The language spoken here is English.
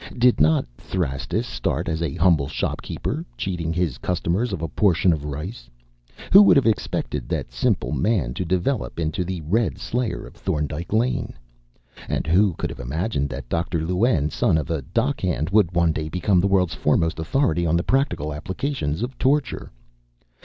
Did not Thrastus start as a humble shopkeeper, cheating his customers of a portion of rice? Who would have expected that simple man to develop into the Red Slayer of Thorndyke Lane? And who could have imagined that Dr. Louen, son of a dockhand, would one day become the world's foremost authority on the practical applications of torture?